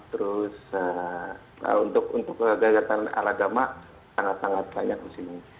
terus untuk gagasan alagama sangat sangat banyak di sini